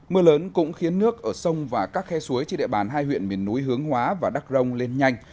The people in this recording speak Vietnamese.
mưa lớn cũng khiến nước ở sông và các khe suối trên địa bàn hai huyện miền núi hướng hóa và đắc rông lên nhanh